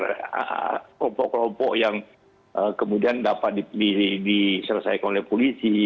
rompok rompok yang kemudian dapat diselesaikan oleh polisi